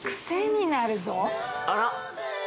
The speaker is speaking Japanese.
あら。